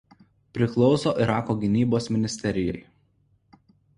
Priklauso Irako gynybos ministerijai.